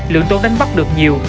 lượng tôm đánh bắt được nhiều